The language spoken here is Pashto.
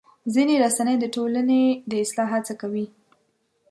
ځینې رسنۍ د ټولنې د اصلاح هڅه کوي.